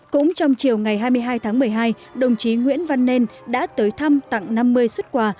cũng trong chiều ngày hai mươi hai tháng một mươi hai đồng chí nguyễn văn nên đã tới thăm tặng năm mươi xuất quà